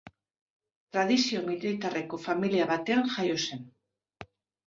Tradizio militarreko familia batean jaio zen.